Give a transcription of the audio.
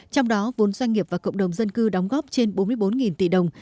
trong đó vốn doanh nghiệp và cộng đồng dân cư đóng góp trên bốn mươi bốn tỷ đồng